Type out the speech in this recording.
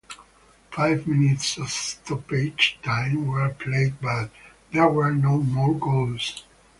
Five minutes of stoppage time were played but there were no more goals.